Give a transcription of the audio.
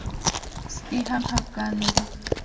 سپي هم خپګان لري.